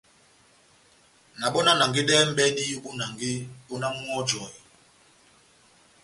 Na bɔ́ na nangedɛhɛni mʼbɛdi ó bonange ó náh múhɔjɔhe.